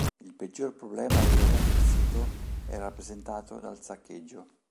Il peggior problema riguardante il sito è rappresentato dal saccheggio.